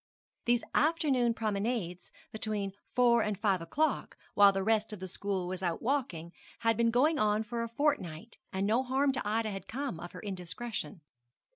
These afternoon promenades between four and five o'clock, while the rest of the school was out walking, had been going on for a fortnight, and no harm to Ida had come of her indiscretion.